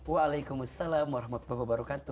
waalaikumsalam warahmatullahi wabarakatuh